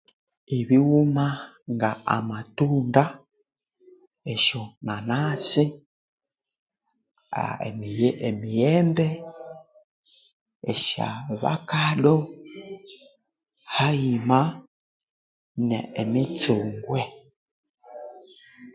Ebighuma ngamathunda esyonanasi emiyembe esyabakadu haima nemitsungwe